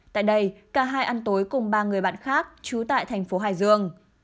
tại đây cả hai ăn tối cùng ba người bạn khác trú tại tp hải dương